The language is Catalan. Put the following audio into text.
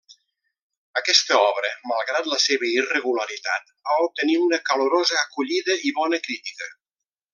Aquesta obra, malgrat la seva irregularitat, va obtenir una calorosa acollida i bona crítica.